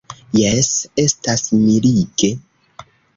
Jes, estas mirige.